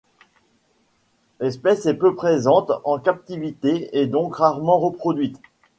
L'espèce est peu présente en captivité et donc rarement reproduite.